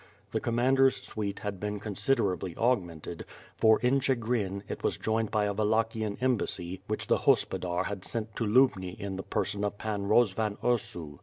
The Commander's suite had been con siderably augmented, for, in Chigrin, it was joined by a Wal lachian embassy which the Hospodar had sent to Lubni in WITH FIRE AND SWORD. 35 the person of Pan Eozvan Ursu.